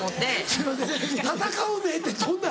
すいません戦う目ってどんな？